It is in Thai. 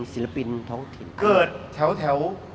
ศิลปินท้องถิ่นเกิดแถว